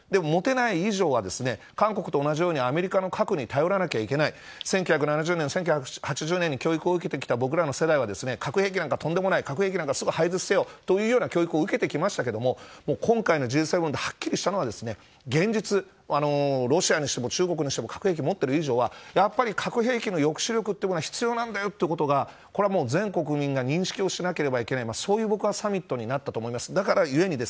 持てない以上は韓国と同じようにアメリカの核に頼らなきゃいけない１９７０年、１９８０年に教育を受けた僕らの世代は核兵器はとんでもない廃絶せよという教育を受けてきましたけど今回のＧ７がはっきりしたのは現実、ロシアにしても中国にしても核兵器を持っている以上はやっぱり核兵器の抑止力は必要なだよ、ということを全国民が認識をしなきゃいけないそういうサミットになったと思います。